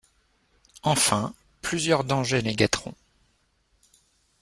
Enfin, plusieurs dangers les guetteront.